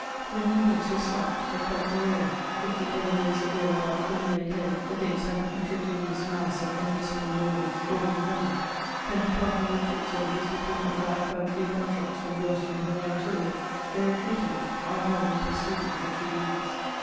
Their movements were slack, they felt their way; fifty grenadiers of the Old Guard would have made head against an heterogeneous mass of undisciplined nobles, old and young: ten to twelve hundred foot soldiers were taken aback by a few gun shots from the Austrian heavy artillery; they retreated; our cavalry pursued them for two leagues.